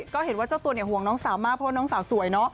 ก็เห็นว่าเจ้าตัวเนี่ยห่วงน้องสาวมากเพราะว่าน้องสาวสวยเนาะ